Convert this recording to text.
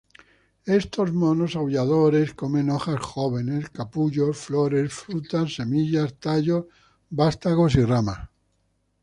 Estos monos aulladores comen hojas jóvenes, capullos, flores, frutas, semillas, tallos, vástagos y ramas.